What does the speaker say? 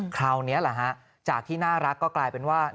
คราวนี้แหละฮะจากที่น่ารักก็กลายเป็นว่า